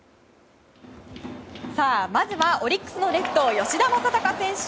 まずはオリックスのレフト吉田正尚選手